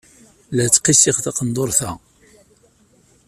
La ttqissiɣ taqendurt-a.